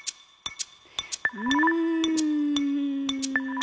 うん。